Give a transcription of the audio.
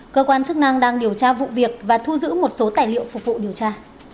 cơ quan chức năng đang điều tra vụ việc và thu giữ một số tài liệu phục vụ điều tra